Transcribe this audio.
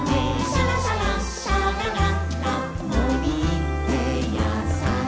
「シャラシャラシャラララ森ってやさしいね」